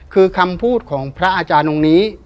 คือคำพูดของพระอาจารย์องค์นี้